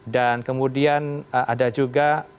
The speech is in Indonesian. dan kemudian ada juga